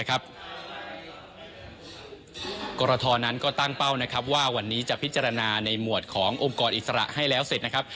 กรทนั้นก็ตั้งเป้านะครับว่าวันนี้จะพิจารณาในหมวดขององค์กรอิสระให้แล้วเสร็จนะครับ